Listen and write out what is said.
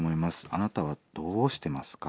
あなたはどうしてますか？